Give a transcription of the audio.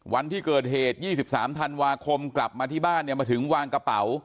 วันที่เกิดเหตุ๒๓ธันวาคมกลับมาที่บ้านเนี่ยมาถึงวางกระเป๋า